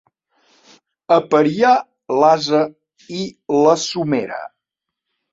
Apariar l'ase i la somera.